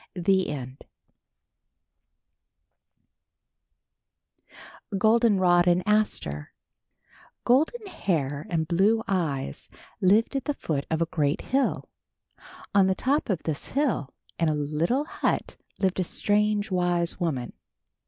GOLDEN ROD AND ASTER. Golden Hair and Blue Eyes lived at the foot of a great hill. On the top of this hill in a little hut lived a strange, wise woman.